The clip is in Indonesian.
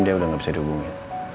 dia sudah tidak bisa dihubungi